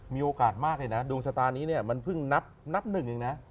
มีโอกาสมากเลยนะดวงศรัตนนี้มันพึ่งกลับนึงนะ